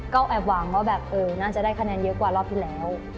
ก็แอบหวังว่าแบบน่าจะได้คะแนนเยอะกว่ารอบที่แล้ว